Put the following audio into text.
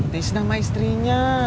tis sama istrinya